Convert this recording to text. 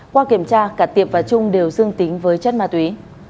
qua kiểm tra cả tiệp và trung đều dương tính với chất ma túy